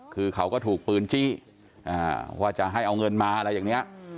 คือเขาก็ถูกปืนจี้ว่าจะให้เอาเงินมาอะไรอย่างนี้